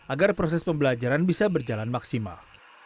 agar proses pembelajaran bisa berjalan maksimal